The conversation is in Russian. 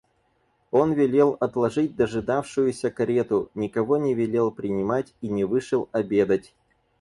Он велел отложить дожидавшуюся карету, никого не велел принимать и не вышел обедать.